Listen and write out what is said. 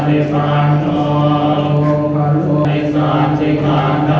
สุดท้ายเท่าไหร่สุดท้ายเท่าไหร่